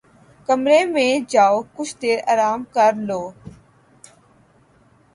کمرے میں جاؤ کچھ دیر آرام کر لوں لو